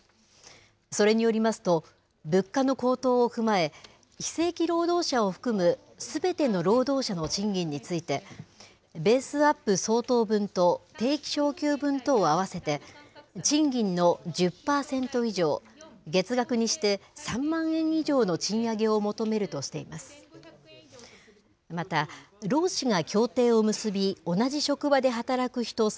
それによりますと、物価の高騰を踏まえ、非正規労働者を含むすべての労働者の賃金について、ベースアップ相当分と定期昇給分とを合わせて、賃金の１０％以上、月額にして３万円以上の賃上げを求めるとしています。